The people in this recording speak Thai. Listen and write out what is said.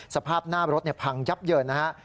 สภาพหน้ารถพังยับเยินนะฮะ